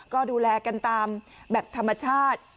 ก็ดูแลกันตามแบบธรรมชาติ